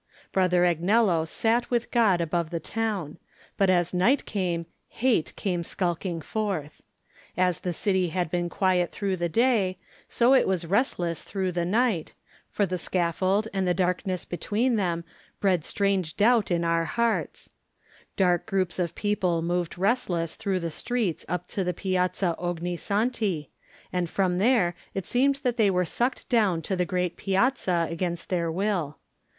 Brother Agnello sat with God above the town, but as night came Hate came skulking 76 Digitized by Google THE NINTH MAN forth. As the city had been quiet through the day, so it was restless through the night, for the scaffold and the darkness between them bred strange doubt in our hearts. Dark groups of people moved restless through the streets up to the Piazza Ogni Santi, and from there it seemed that they were sucked down to the great piazza against their will.